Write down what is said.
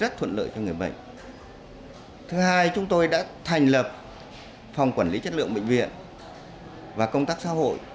thứ hai chúng tôi đã thành lập phòng quản lý chất lượng bệnh viện và công tác xã hội